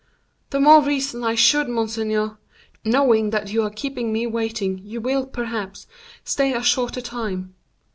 "The more reason I should, monseigneur; knowing that you are keeping me waiting, you will, perhaps, stay a shorter time.